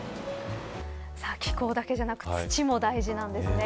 気候だけじゃなく土も大事なんですね。